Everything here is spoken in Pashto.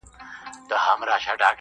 خونه له شنو لوګیو ډکه ډېوه نه بلیږي!.